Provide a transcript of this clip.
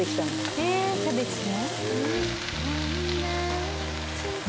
へえキャベツも？